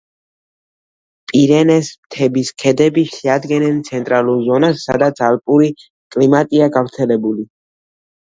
პირენეს მთების ქედები შეადგენენ ცენტრალურ ზონას, სადაც ალპური კლიმატია გავრცელებული.